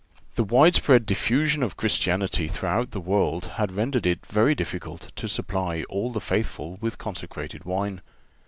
The wide spread diffusion of Christianity throughout the world had rendered it very difficult to supply all the faithful with the consecrated wine.